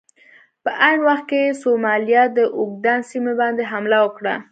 په عین وخت کې سومالیا د اوګادن سیمې باندې حمله وکړه.